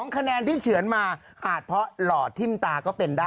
คะแนนที่เฉือนมาอาจเพราะหล่อทิ้มตาก็เป็นได้